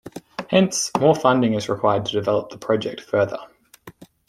Hence, more funding is required to develop the project further.